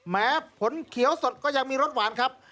แม้ผลเขียวสดก็ยังมีรสหวานครับ